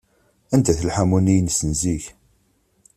Anda-t lḥamu-nni-ines n zik?